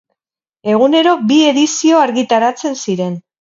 Egunero bi edizio argitaratzen ziren.